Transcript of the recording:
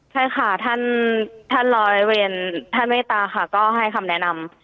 ใช่ค่ะท่านร้อยเวรท่านเมตตาค่ะก็ให้คำแนะนำ